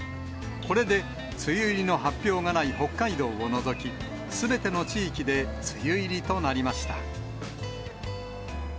これで梅雨入りの発表がない北海道を除き、すべての地域で梅雨入りとなりました。